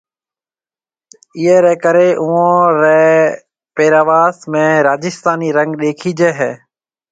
اِيئيَ رَي ڪرَي اوئون رَي پيرواس ۾ راجسٿانِي رنگ ڏيکِيجيَ ھيَََ